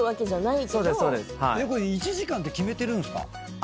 これ１時間って決めてるんですか？